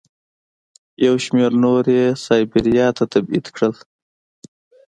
یو شمېر نور یې سایبریا ته تبعید کړل.